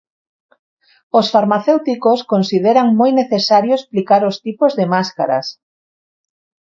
Os Farmacéuticos consideran moi necesario explicar os tipos de máscaras.